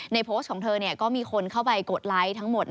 โพสต์ของเธอก็มีคนเข้าไปกดไลค์ทั้งหมด